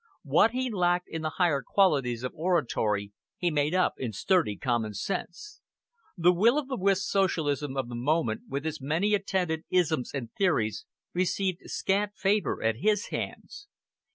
What he lacked in the higher qualities of oratory he made up in sturdy common sense. The will o' the wisp Socialism of the moment, with its many attendant "isms" and theories, received scant favour at his hands.